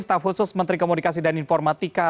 staf khusus menteri komunikasi dan informatika